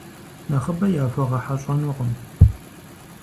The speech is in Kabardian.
Нэхъыбэ яхуэгъэхьэщӏэнукъым.